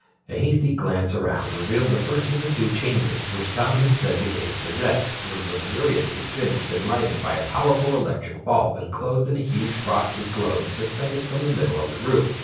A hasty glance around revealed the first of the two chambers, which Tom had said the cave possessed, was luxuriously furnished and lighted by a powerful electric bulb enclosed in a huge frosted globe suspended from the middle of the roof.